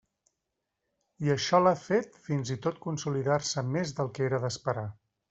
I això l'ha fet, fins i tot consolidar-se més del que era d'esperar.